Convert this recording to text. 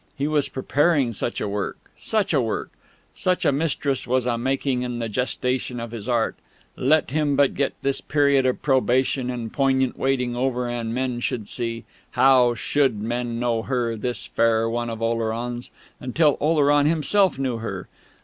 He was preparing such a work ... such a work ... such a Mistress was a making in the gestation of his Art ... let him but get this period of probation and poignant waiting over and men should see.... How should men know her, this Fair One of Oleron's, until Oleron himself knew her?